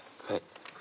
はい。